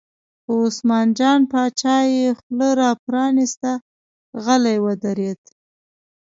په عثمان جان باچا یې خوله را پرانسته، غلی ودرېد.